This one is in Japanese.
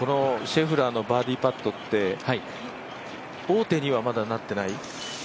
シェフラーのバーディーパットって、王手にはまだなってない？